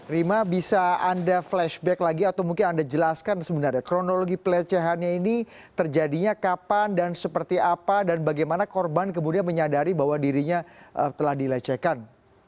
rima bisa anda flashback lagi atau mungkin anda jelaskan sebenarnya kronologi pelecehannya ini terjadinya kapan dan seperti apa dan bagaimana korban kemudian menyadari bahwa dirinya telah dilecehkan